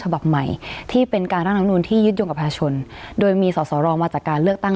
ฉบับใหม่ที่เป็นการร่างรัฐมนุนที่ยึดโยงกับประชาชนโดยมีสอสอรอมาจากการเลือกตั้ง